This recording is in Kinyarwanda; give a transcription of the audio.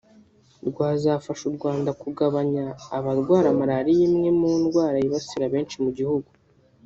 rwazafasha u Rwanda kugabanya abarwara Malariya imwe mu ndwara yibasira benshi mu gihugu